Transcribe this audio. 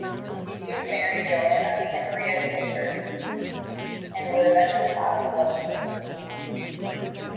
He soon married Johanna Henriette Kuchler and would eventually have eleven children.